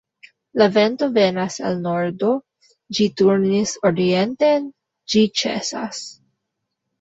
La vento venas el nordo; ĝi turnis orienten, ĝi ĉesas.